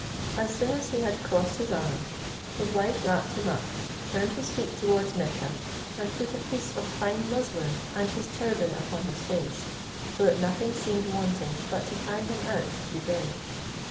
As soon as he had crossed his arms, his wife wrapped him up, turned his feet towards Mecca, and put a piece of fine muslin and his turban upon his face, so that nothing seemed wanting but to carry him out to be buried.